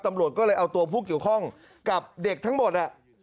ตำรวจก็เลยเอาตัวผู้เกี่ยวข้องกับเด็กทั้งหมด